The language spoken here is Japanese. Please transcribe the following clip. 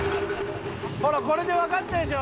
ほらこれでわかったでしょ？